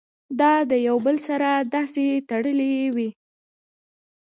دا د يو بل سره داسې تړلي وي